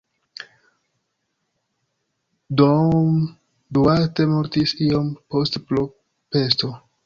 Dom Duarte mortis iom poste pro pesto.